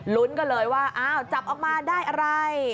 ลุ้นกันเลยว่าอ้าวจับออกมาได้อะไร